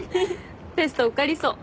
テスト受かりそう。